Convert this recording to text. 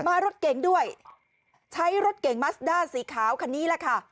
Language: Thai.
รถเก่งด้วยใช้รถเก่งมัสด้าสีขาวคันนี้แหละค่ะ